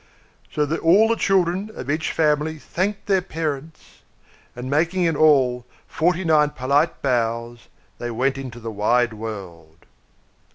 So all the children of each family thanked their parents; and, making in all forty nine polite bows, they went into the wide world.